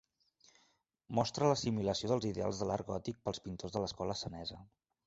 Mostra l'assimilació dels ideals de l'art gòtic pels pintors de l'escola senesa.